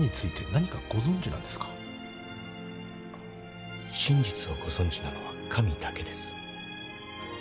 真実をご存じなのは神だけです。